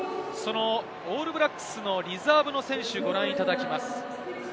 オールブラックスのリザーブの選手をご覧いただきます。